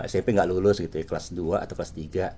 smp tidak lulus kelas dua atau kelas tiga